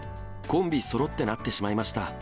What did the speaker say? コンビそろってなってしまいました。